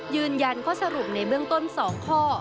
ยืนยันข้อสรุปในเบื้องต้น๒ข้อ